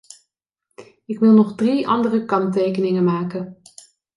Ik wil nog drie andere kanttekeningen maken.